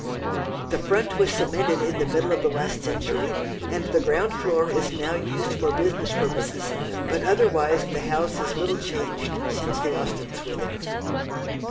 The front was cemented in the middle of the last century, and the ground floor is now used for business purposes, but otherwise the house is little changed since the Austens were there.